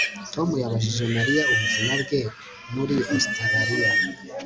Tom yabajije Mariya ubuzima bwe muri Ositaraliya